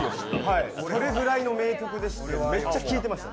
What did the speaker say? それぐらいの名曲でめっちゃ聴いてました。